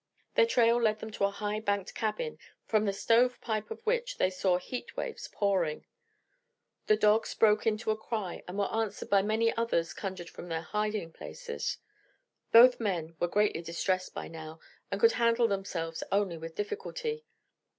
Their trail led them to a high banked cabin, from the stovepipe of which they saw heat waves pouring. The dogs broke into cry, and were answered by many others conjured from their hiding places. Both men were greatly distressed by now, and could handle themselves only with difficulty.